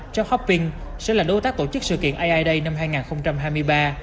job hopping sẽ là đối tác tổ chức sự kiện ai day năm hai nghìn hai mươi ba